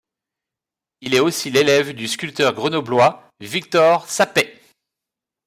Il est aussi l'élève du sculpteur grenoblois Victor Sappey.